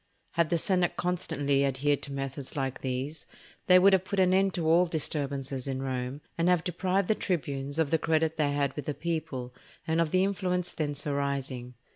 Had the senate constantly adhered to methods like these, they would have put an end to all disturbances in Rome, and have deprived the tribunes of the credit they had with the people, and of the influence thence arising.